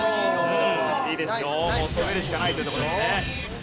もう攻めるしかないというとこですね。